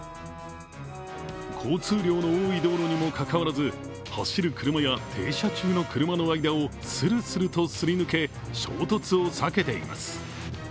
交通量の多い道路にもかかわらず走る車や停車中の車の間をするするとすり抜け、衝突を避けています。